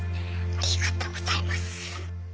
ありがとうございます。